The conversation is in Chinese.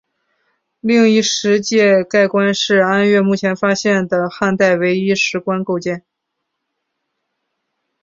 另一石质棺盖是安岳目前发现的汉代唯一石棺构件。